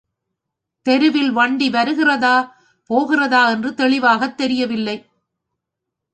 தெருவில் வண்டி வருகிறதா, போகிறதா என்று தெளிவாகத் தெரியவில்லை.